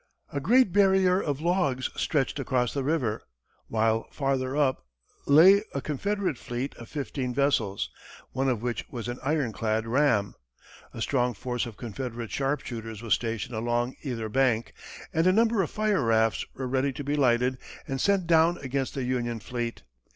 A great barrier of logs stretched across the river, while farther up lay a Confederate fleet of fifteen vessels, one of which was an ironclad ram. A strong force of Confederate sharpshooters was stationed along either bank, and a number of fire rafts were ready to be lighted and sent down against the Union fleet.